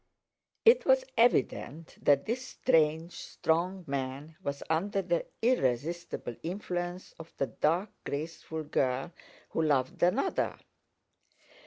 It was evident that this strange, strong man was under the irresistible influence of the dark, graceful girl who loved another.